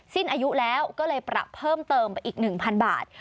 สิ้นอายุแล้วก็เลยปรับเพิ่มเติมไปอีก๑๐๐บาท